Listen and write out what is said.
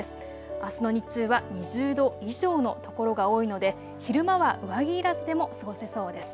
あすの日中は２０度以上のところが多いので昼間は上着いらずでも過ごせそうです。